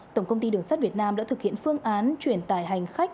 tổng công ty đường sắt việt nam đã thực hiện phương án chuyển tải hành khách